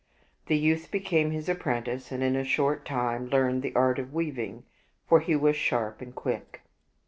The youth became his apprentice, and in a short time learned the art of weaving, for he was sharp and quick.